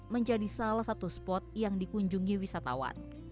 menjadi salah satu spot yang dikunjungi wisatawan